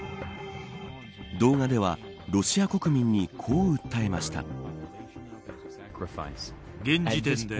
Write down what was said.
動画ではロシア国民にこう訴えました。